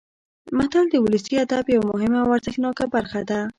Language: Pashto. متل د ولسي ادب یوه مهمه او ارزښتناکه برخه ده